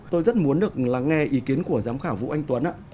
tôi rất muốn được lắng nghe ý kiến của giám khảo vũ anh tuấn ạ